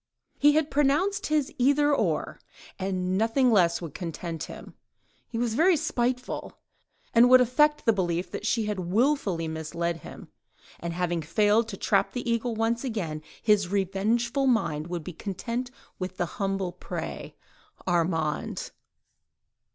He had pronounced his "Either—or—" and nothing less would content him: he was very spiteful, and would affect the belief that she had wilfully misled him, and having failed to trap the eagle once again, his revengeful mind would be content with the humble prey—Armand!